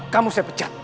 kamu saya pecat